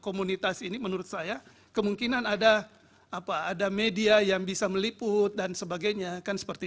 komunitas ini menurut saya kemungkinan ada apa ada media yang bisa meliput dan sebagainya kan seperti